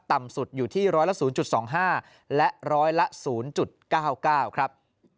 ต่ำสุดอยู่ที่ร้อยละ๐๒๕และร้อยละ๐๙๙ครับ